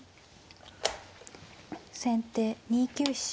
先手２九飛車。